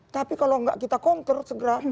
tapi kalau nggak kita counter segera